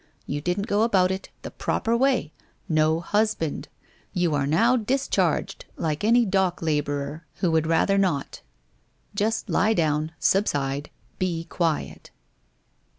You didn't go about it the proper way — no husband ! You are now discharged, like any dock labourer who would rather not. Just lie down, subside, be quiet